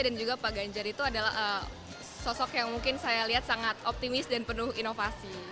dan juga pak ganjar itu adalah sosok yang mungkin saya lihat sangat optimis dan penuh inovasi